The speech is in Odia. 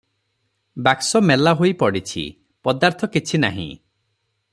ବାକ୍ସ ମେଲା ହୋଇ ପଡ଼ିଛି - ପଦାର୍ଥ କିଛି ନାହିଁ ।